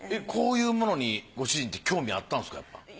こういうものにご主人って興味あったんですかやっぱ。